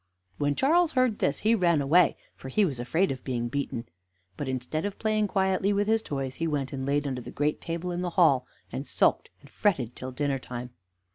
When Charles heard this, he ran away, for he was afraid of being beaten; but, instead of playing quietly with his toys, he went and laid under the great table in the hall and sulked and fretted till dinner time.